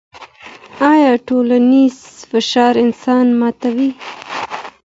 آيا ټولنيز فشار انسان ماتوي؟